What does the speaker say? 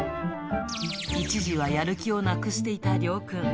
一時はやる気をなくしていた龍君。